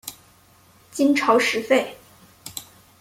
金朝时废。